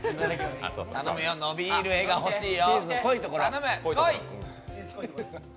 頼むよ、伸びる画が欲しいよ、頼む、来い！